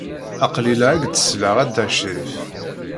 Aql-i la ak-d-selleɣ a Dda Crif.